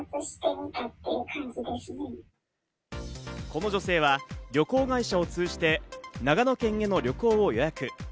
この女性は旅行会社を通じて長野県への旅行を予約。